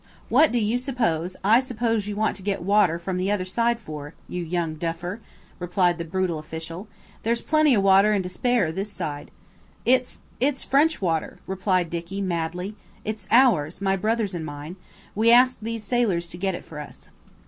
"What do you suppose I suppose you want to get water from the other side for, you young duffer!" replied the brutal official. "There's plenty water and to spare this side." "It's–it's French water," replied Dicky madly; "it's ours, my brother's and mine. We asked these sailors to get it for us."